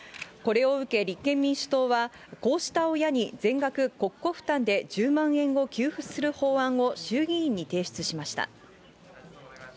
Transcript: これを受け、立憲民主党はこうした親に全額国庫負担で１０万円を給付する法案を衆議院に提出しました。